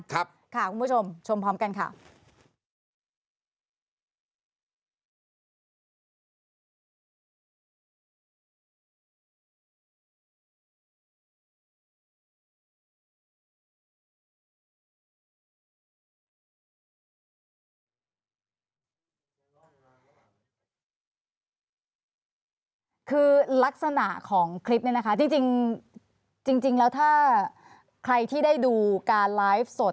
คือลักษณะของคลิปเนี่ยนะคะจริงแล้วถ้าใครที่ได้ดูการไลฟ์สด